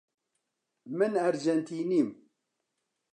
من ئەرجێنتینم.